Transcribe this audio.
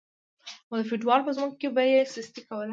خو د فیوډال په ځمکو کې به یې سستي کوله.